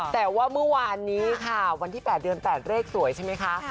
แต่ว่าเมื่อวานนี้ค่ะวันที่๘เดือน๘เลขสวยใช่ไหมคะ